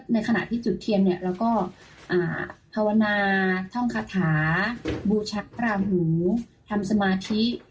ในขณะที่จุดเทียมก็ภาวนาท่องคทาบูชักตราหูทำสมาชิก